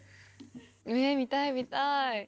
見たい見たい！